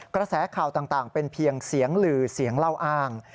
กระแสข่าวต่างเป็นเพียงเสียงหลือเสียงเล่าอ้าง